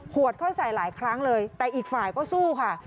วดเข้าใส่หลายครั้งเลยแต่อีกฝ่ายก็สู้ค่ะ